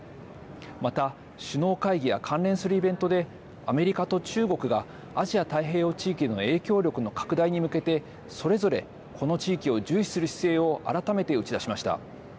また首脳会議や関連するイベントでアメリカと中国がアジア太平洋地域の影響力の拡大に向けてそれぞれこの地域を重視する姿勢を改めて打ち出しました。